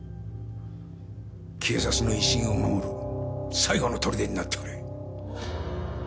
警察の威信を守る最後の砦になってくれ。